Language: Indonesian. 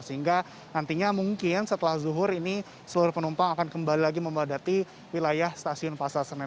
sehingga nantinya mungkin setelah zuhur ini seluruh penumpang akan kembali lagi membadati wilayah stasiun pasar senen